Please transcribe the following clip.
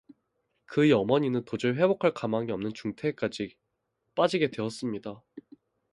그의 어머니는 도저히 회복할 가망이 없는 중태에까지 빠지게 되었습니다